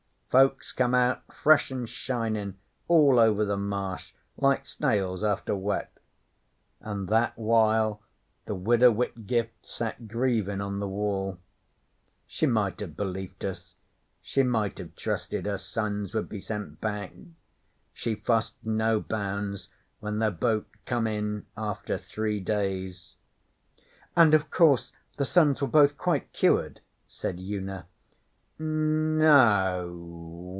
Folks come out fresh an' shinin' all over the Marsh like snails after wet. An' that while the Widow Whitgift sat grievin' on the Wall. She might have belieft us she might have trusted her sons would be sent back! She fussed, no bounds, when their boat come in after three days.' 'And, of course, the sons were both quite cured?' said Una. 'No o.